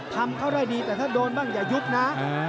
ทำเขาได้ดีแต่ถ้าโดนบ้างอย่ายุบนะ